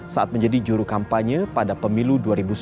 saat menjadi juru kampanye pada pemilu dua ribu sembilan belas